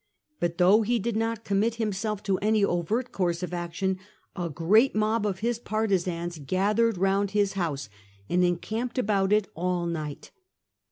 But though he did not commit himself to any overt course of action, a great mob of his partisans gathered round his house, and encamped about it all night.